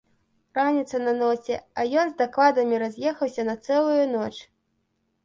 Раніца на носе, а ён з дакладамі раз'ехаўся на цэлую ноч.